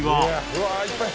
うわあいっぱい！